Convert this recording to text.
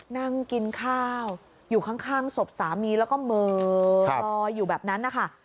นั่งกินข้าวอยู่ข้างศพสามีแล้วก็เหม่อรออยู่แบบนั้นนะคะ